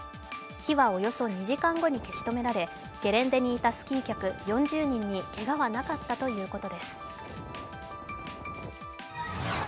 火は、およそ２時間後に消し止められゲレンデにいたスキー客４０人にけがはなかったということです。